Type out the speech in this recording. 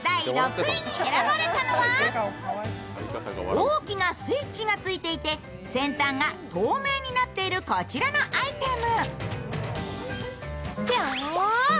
大きなスイッチがついていて、先端が透明になっているこちらのアイテム。